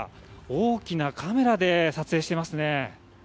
大きなカメラで撮影していますね。